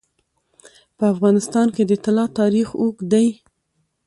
په افغانستان کې د طلا تاریخ اوږد دی.